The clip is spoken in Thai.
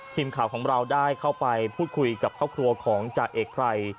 ทีมข่าวของเราได้เข้าไปพูดคุยกับครอบครัวของจ่าเอกไพร